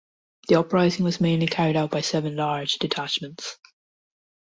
The uprising was mainly carried out by seven large detachments.